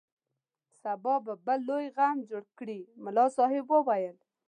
سبا به بل لوی غم جوړ کړي ملا صاحب وویل.